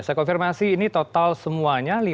saya konfirmasi ini total semuanya